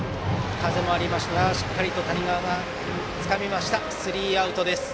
風もありますがしっかりと谷川がつかんでスリーアウトです。